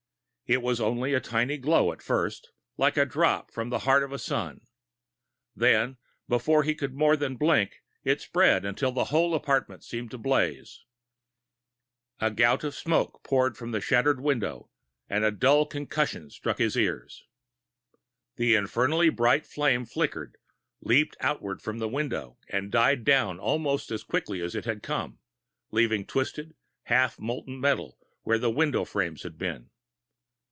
It was only a tiny glow, at first, like a drop from the heart of a sun. Then, before he could more than blink, it spread, until the whole apartment seemed to blaze. A gout of smoke poured from the shattering window, and a dull concussion struck his ears. The infernally bright flame flickered, leaped outward from the window, and died down almost as quickly as it had come, leaving twisted, half molten metal where the window frames had been.